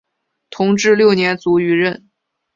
同治六年卒于任。